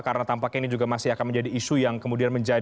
karena tampaknya ini juga masih akan menjadi isu yang kemudian akan diperoleh